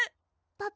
パパ！